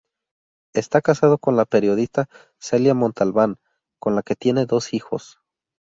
Está casado con la periodista Celia Montalbán, con la que tiene dos hijos.